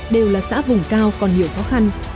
đều là xã vùng cao còn nhiều khó khăn